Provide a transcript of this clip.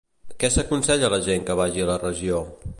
Què s'aconsella a la gent que vagi a la regió?